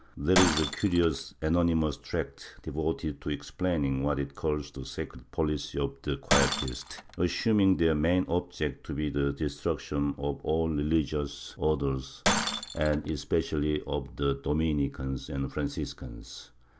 There is a curious anonymous tract devoted to explaining what it calls the secret policy of the Quietists, assuming their main object to be the destruction of all the religious Orders and especially of the Dominicans and Franciscans.